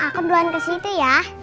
aku duluan kesitu ya